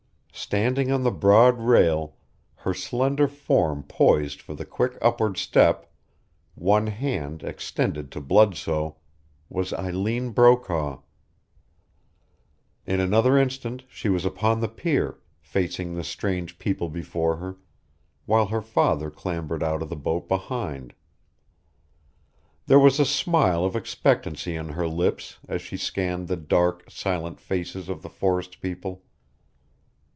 Standing on the broad rail, her slender form poised for the quick upward step, one hand extended to Bludsoe, was Eileen Brokaw! In another instant she was upon the pier, facing the strange people before her, while her father clambered out of the boat behind. There was a smile of expectancy on her lips as she scanned the dark, silent faces of the forest people.